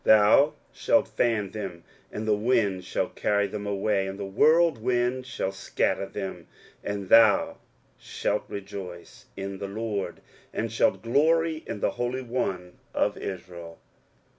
23:041:016 Thou shalt fan them, and the wind shall carry them away, and the whirlwind shall scatter them: and thou shalt rejoice in the LORD, and shalt glory in the Holy One of Israel.